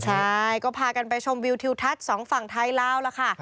ใช่ก็พากันไปชมวิวทิวทัศน์สองฝั่งไทยลาวล่ะค่ะ